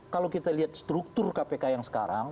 kalau kita lihat struktur kpk yang sekarang